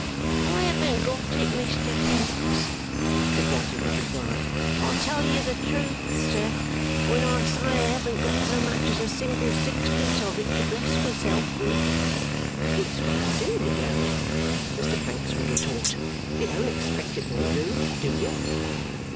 'I haven't got it, Mr Pancks,' Defaulter would reply. 'I tell you the truth, sir, when I say I haven't got so much as a single sixpence of it to bless myself with.' 'This won't do, you know,' Mr Pancks would retort. 'You don't expect it will do; do you?